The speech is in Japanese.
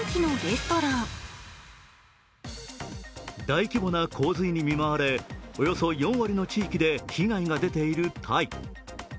大規模な洪水に見舞われおよそ４割の地域で被害が出ているタイ。